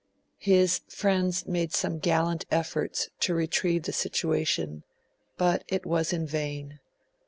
His friends made some gallant efforts to retrieve the situation; but, it was in vain.